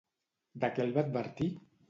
De què el va advertir?